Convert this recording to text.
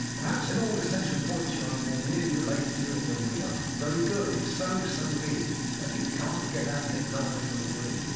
Perhaps in all essential points you are more nearly related to him than we are. Very good. If so, so be it. But you can't get at him, neither can we.